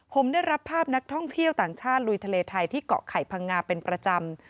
ผมได้รับภาพนักท่องเที่ยวต่างชาติลุยทะเลไทยที่เกาะไข่พังงาเป็นประจำ